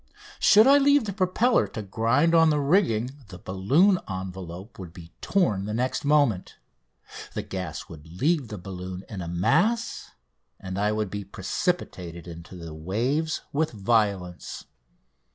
Should I leave the propeller to grind on the rigging the balloon envelope would be torn the next moment, the gas would leave the balloon in a mass, and I would be precipitated into the waves with violence.